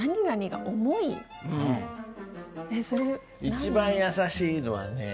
一番易しいのはね